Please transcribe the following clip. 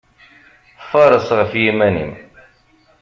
Faṛeṣ ɣef yiman-im!